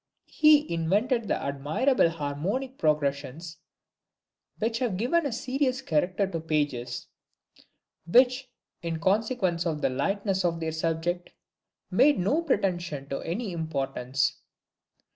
He invented the admirable harmonic progressions which have given a serious character to pages, which, in consequence of the lightness of their subject, made no pretension to any importance.